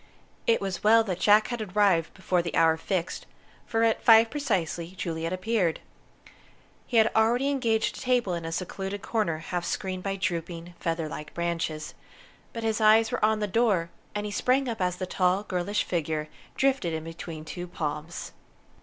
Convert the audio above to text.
It was well that Jack had arrived before the hour fixed, for at five precisely Juliet appeared. He had already engaged a table in a secluded corner half screened by drooping, feather like branches; but his eyes were on the door, and he sprang up as the tall, girlish figure drifted in between two palms.